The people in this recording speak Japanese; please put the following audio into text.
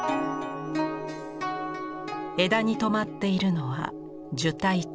枝に止まっているのは寿帯鳥。